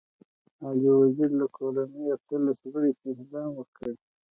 علي وزير له کورنۍ اتلس غړي شهيدان ورکړي.